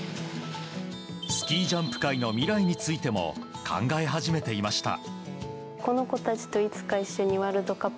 スキージャンプ界の未来についても考え始めていました。